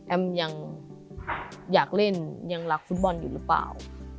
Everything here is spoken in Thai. ยังอยากเล่นยังรักฟุตบอลอยู่หรือเปล่า